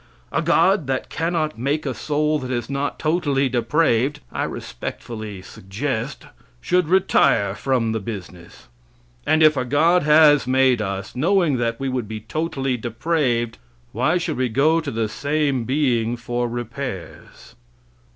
A god that cannot make a soul that is not totally depraved, I respectfully suggest, should retire from the business. And if a god has made us, knowing that we would be totally depraved, why should we go to the same being for repairs?